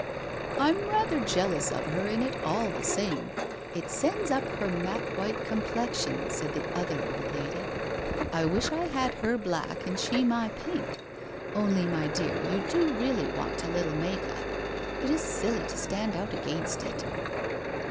' I'm rather jealous of her in it all the same. It sends up her mat white complexion,' said the other old lady, * I wish I had her black and she my pink. Only, my dear, you do really want a little make up ! It is silly to stand out against it.